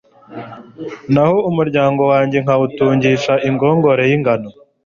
naho umuryango wanjye nkawutungisha ingogore y'ingano